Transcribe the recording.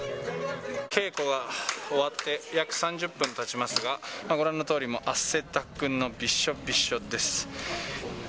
稽古は終わって約３０分たちますが、ご覧のとおり、汗だくのびしょびしょです。